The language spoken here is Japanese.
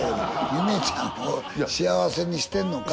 夢ちゃんを幸せにしてんのか？